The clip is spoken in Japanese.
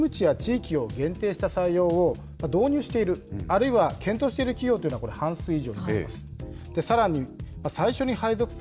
大手就職情報サイトの調査によりますと、勤務地や地域を限定した採用を導入している、あるいは検討している企業というのは、これ、半数以上になります。